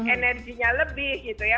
energinya lebih gitu ya